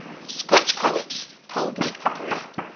SCOTCH COLLOPS (Cold Meat Cookery).